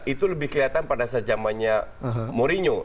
itu lebih kelihatan pada zamannya mourinho